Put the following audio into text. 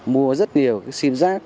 mua rất nhiều sim rác